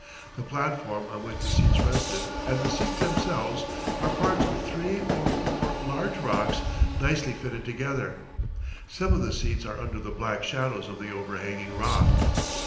The platform on which the seats rested and the seats themselves are parts of three or four large rocks nicely fitted together. Some of the seats are under the black shadows of the overhanging rock.